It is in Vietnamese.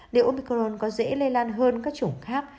liệu omicron có dễ lây lan hơn các chủng khác